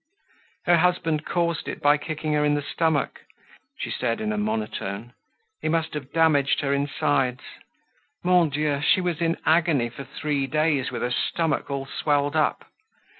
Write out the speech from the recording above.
"Her husband caused it by kicking her in the stomach," she said in a monotone. "He must have damaged her insides. Mon Dieu! She was in agony for three days with her stomach all swelled up.